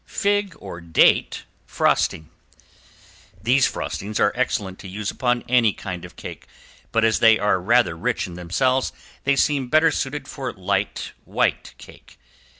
~FIG OR DATE FROSTING~ These frostings are excellent to use upon any kind of cake, but as they are rather rich in themselves, they seem better suited for light white cake.